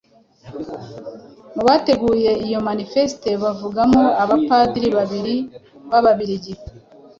Mu bateguye iyo "Manifeste" bavugamo abapadiri babiri b'Ababiligi.